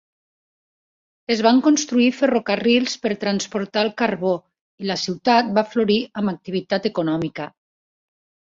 Es van construir ferrocarrils per transportar el carbó i la ciutat va florir amb activitat econòmica.